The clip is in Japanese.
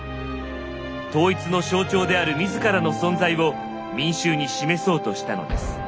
統一の象徴である自らの存在を民衆に示そうとしたのです。